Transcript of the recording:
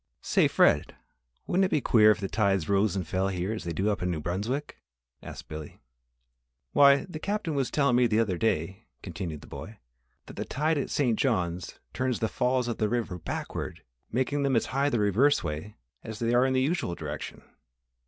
"Say, Fred, wouldn't it be queer if the tides rose and fell here as they do up in New Brunswick?" asked Billy. "Why, the Captain was tellin' me the other day," continued the boy, "that the tide at St. John turns the Falls of the river backward, making them as high the reverse way as they are in the usual direction.